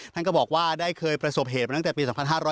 ท่านก็บอกว่าได้เคยประสบเหตุมาตั้งแต่ปี๒๕๕๙